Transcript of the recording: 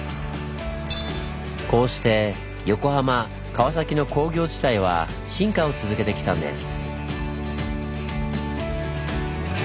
こうして横浜・川崎の工業地帯は進化を続けてきたんです。